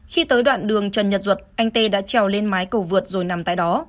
khi tới đoạn đường trần nhật duật anh t v t đã trèo lên mái cầu vượt rồi nằm tại đó